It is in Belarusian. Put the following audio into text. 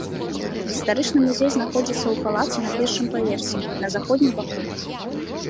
Гістарычны музей знаходзіцца ў палацы на першым паверсе, на заходнім баку.